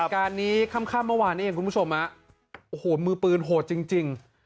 การนี้ค่ำเมื่อวานนี้เองคุณผู้ชมฮะโอ้โหมือปืนโหดจริง